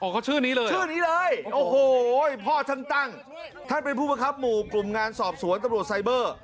เขาชื่อนี้เลยชื่อนี้เลยโอ้โหพ่อท่านตั้งท่านเป็นผู้ประคับหมู่กลุ่มงานสอบสวนตำรวจไซเบอร์